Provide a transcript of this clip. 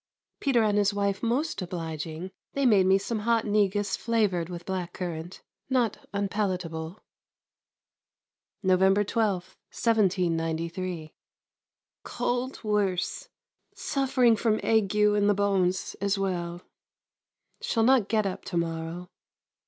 Peter and his wife most obliging. They made me some hot negus flavoured with black currant, not unpalatable. November 12,1793. Cold worse. Suffering from ague in the bones as well. Shall not get up to morrow.